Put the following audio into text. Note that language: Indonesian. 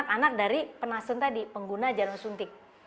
anak dari penasun tadi pengguna jarum suntik